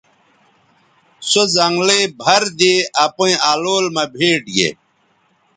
سو زنگلئ بَھر دے اپئیں الول مہ بھیٹ گے